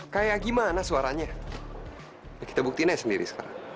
kayak gimana suaranya kita buktiin aja sendiri sekarang